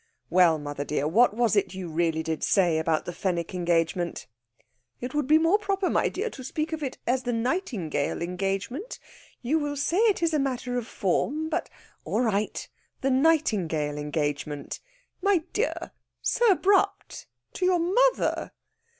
"Well, mother dear, what was it you really did say about the Fenwick engagement?" "It would be more proper, my dear, to speak of it as the Nightingale engagement. You will say it is a matter of form, but...." "All right. The Nightingale engagement...." "My dear! So abrupt! To your mother!"